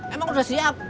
emang udah siap